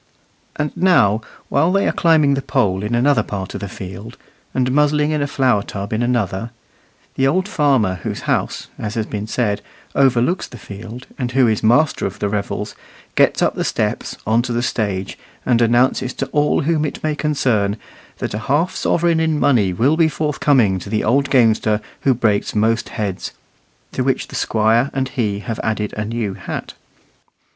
And now, while they are climbing the pole in another part of the field, and muzzling in a flour tub in another, the old farmer whose house, as has been said, overlooks the field, and who is master of the revels, gets up the steps on to the stage, and announces to all whom it may concern that a half sovereign in money will be forthcoming to the old gamester who breaks most heads; to which the Squire and he have added a new hat.